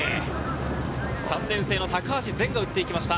３年生の高足善が打っていきました。